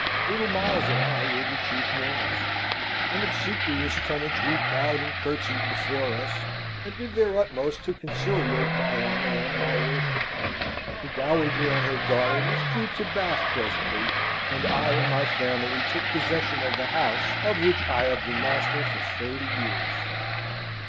Little Miles and I were the chief mourners. An obsequious tenantry bowed and curtseyed before us, and did their utmost to conciliate my honour and my worship. The dowager and her daughter withdrew to Bath presently; and I and my family took possession of the house, of which I have been master for thirty years.